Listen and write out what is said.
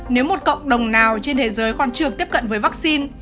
nếu một cộng đồng nào trên thế giới còn chưa tiếp cận với vaccine